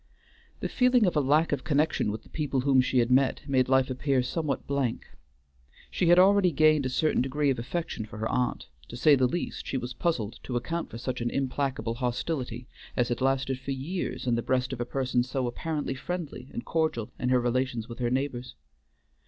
The feeling of a lack of connection with the people whom she had met made life appear somewhat blank. She had already gained a certain degree of affection for her aunt; to say the least she was puzzled to account for such an implacable hostility as had lasted for years in the breast of a person so apparently friendly and cordial in her relations with her neighbors.